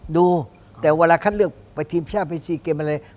ดูแต่เวลาคัดเลือกไปทีมชาติไป๔เกมอะไร